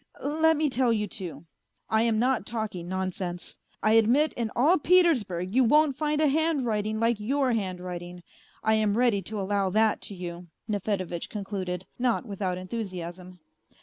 ... Let me tell you, too, I am not talking nonsense. I admit in all Petersburg you won't find a handwriting like your hand writing, I am ready to allow that to you," Nefedevitch concluded, not without enthusiasm.